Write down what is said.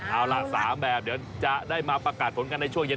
เอาล่ะ๓แบบเดี๋ยวจะได้มาประกาศผลกันในช่วงเย็น